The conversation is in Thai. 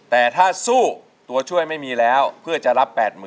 แต่ถ้าสู้ตัวช่วยไม่มีแล้วเพื่อจะรับ๘๐๐๐